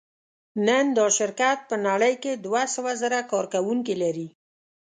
نن دا شرکت په نړۍ کې دوهسوهزره کارکوونکي لري.